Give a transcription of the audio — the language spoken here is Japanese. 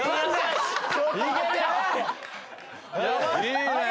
いいねえ！